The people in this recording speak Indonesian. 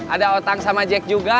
ada otak sama jack juga